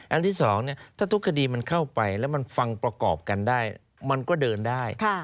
อันที่สองถ้าทุกคดีมันเข้าไปแล้วมันฟังประกอบกันได้มันก็เดินได้